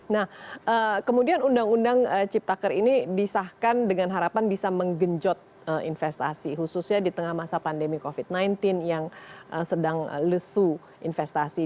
nah kemudian undang undang ciptaker ini disahkan dengan harapan bisa menggenjot investasi khususnya di tengah masa pandemi covid sembilan belas yang sedang lesu investasi